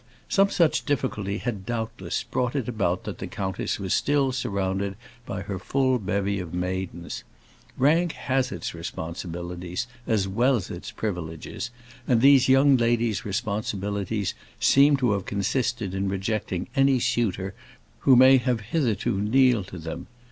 Some such difficulty had, doubtless, brought it about that the countess was still surrounded by her full bevy of maidens. Rank has its responsibilities as well as its privileges, and these young ladies' responsibilities seemed to have consisted in rejecting any suitor who may have hitherto kneeled to them.